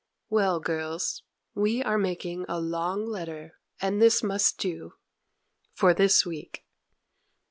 Well, girls, we are making a long letter; and this must do for this week.